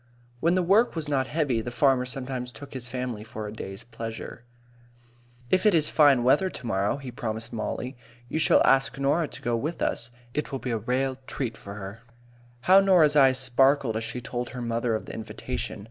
When the work was not heavy, the farmer sometimes took his family for a day's pleasure. "If it is fine weather to morrow," he promised Mollie, "you shall ask Norah to go with us. It will be a rale treat for her." How Norah's eyes sparkled as she told her mother of the invitation!